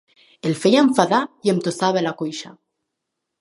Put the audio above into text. El feia enfadar i em tossava a la cuixa.